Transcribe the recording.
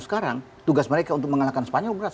sekarang tugas mereka untuk mengalahkan spanyol berhasil